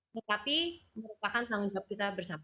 tetapi merupakan tanggung jawab kita bersama